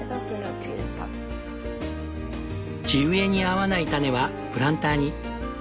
地植えに合わない種はプランターに。